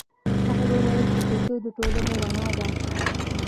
هغه وویل چې کلتور د ټولنې رڼا ده.